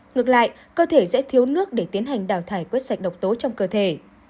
ngược lại cơ thể sẽ thiếu nước để tiến hành đào thải quết sạch độc tố trong cơ thể